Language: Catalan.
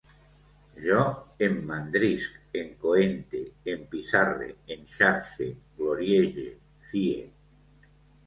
Jo emmandrisc, encoente, empissarre, enxarxe, gloriege, fie